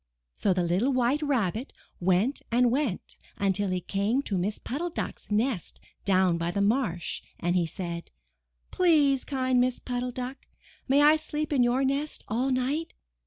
So the little White Rabbit went and went until he came to Miss Puddle Duck's nest down by the marsh and he said: 154 I N THE NURSERY 'Tlease, kind Miss Puddle Duck, may I sleep in your nest all night?''